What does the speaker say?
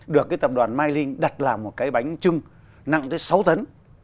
được cái tập đoàn mylink đặt làm một cái bánh trưng nặng tới sáu tấn